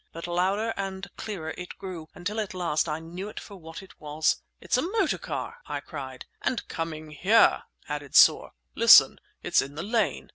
But louder and clearer it grew, until at last I knew it for what it was. "It's a motor car!" I cried. "And coming here!" added Soar. "Listen! it's in the lane!"